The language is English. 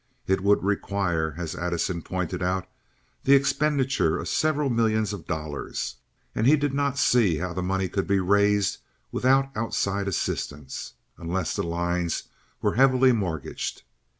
It would require, as Addison pointed out, the expenditure of several millions of dollars, and he did not see how the money could be raised without outside assistance, unless the lines were heavily mortgaged.